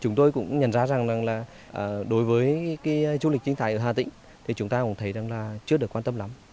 chúng tôi cũng nhận ra rằng là đối với du lịch sinh thái ở hà tĩnh thì chúng ta cũng thấy rằng là chưa được quan tâm lắm